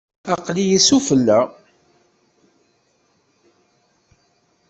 Aql-iyi sufella.